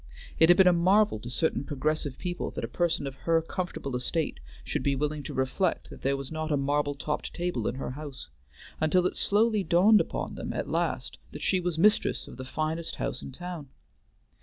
It had been a marvel to certain progressive people that a person of her comfortable estate should be willing to reflect that there was not a marble topped table in her house, until it slowly dawned upon them at last that she was mistress of the finest house in town.